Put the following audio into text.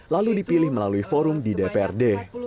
lalu dipilih melalui forum di dprd